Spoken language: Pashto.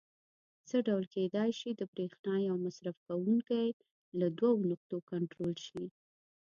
څه ډول کېدای شي د برېښنا یو مصرف کوونکی له دوو نقطو کنټرول شي؟